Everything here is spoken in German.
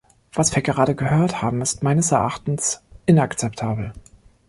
Was wir gerade gehört haben, ist meines Erachtens inakzeptabel.